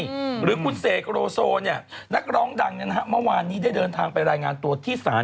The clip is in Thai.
เมื่อวานนี้แชลจมันได้เดินทางไปรายงานตัวที่ส้าน